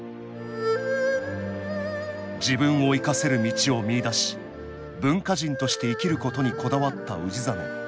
自分を生かせる道を見いだし文化人として生きることにこだわった氏真。